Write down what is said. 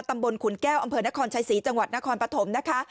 ขุนแก้วอำเภอนครชัยศรีจังหวัดนครปฐมนะคะ